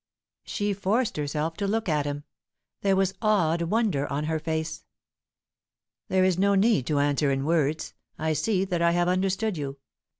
She forced herself to look at him; there was awed wonder on her face. "There is no need to answer in words. I see that I have understood you.